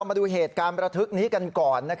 มาดูเหตุการณ์ประทึกนี้กันก่อน